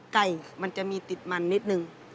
ไก่มันจะมีติดมันนิดนึง